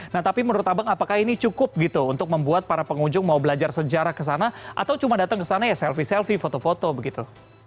nah tapi menurut abang apakah ini cukup gitu untuk membuat para pengunjung mau belajar sejarah ke sana atau cuma datang ke sana ya selfie selfie foto foto begitu